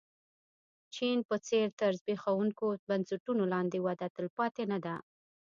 چین په څېر تر زبېښونکو بنسټونو لاندې وده تلپاتې نه ده.